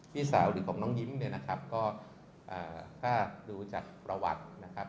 พี่สาวหรือของน้องยิ้มเนี่ยนะครับก็ถ้าดูจากประวัตินะครับ